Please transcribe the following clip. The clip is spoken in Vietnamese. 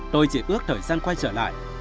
tôi chỉ ước thời gian quay trở lại